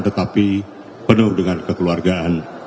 tetapi penuh dengan kekeluargaan